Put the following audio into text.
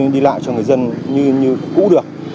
đi lại cho người dân như cũ được